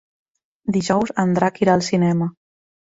Dijous en Drac irà al cinema.